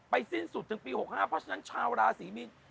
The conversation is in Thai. สิ้นสุดถึงปี๖๕เพราะฉะนั้นชาวราศรีมีน